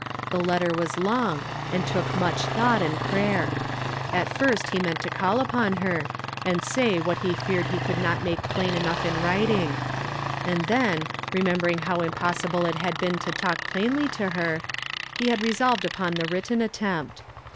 The letter was long, and took „,«ch thought and prayer. At fii^t he had meant to eall upon her, and say what he leared he could not make plain enough in writ jng; and then, remembering how impossible it had been to talk plainly to her, he had resolved upon the written attempt.